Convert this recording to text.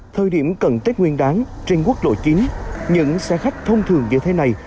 thời điểm cận tết nguyên đáng trên quốc lộ chín những xe khách thông thường như thế này